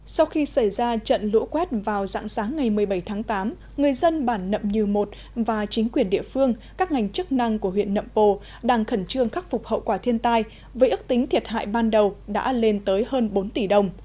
sau khi xảy ra trận lũ quét vào dạng sáng ngày một mươi bảy tháng tám người dân bản nậm như một và chính quyền địa phương các ngành chức năng của huyện nậm pồ đang khẩn trương khắc phục hậu quả thiên tai với ước tính thiệt hại ban đầu đã lên tới hơn bốn tỷ đồng